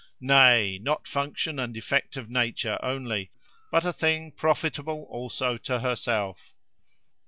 Nay! not function and effect of nature, only; but a thing profitable also to herself.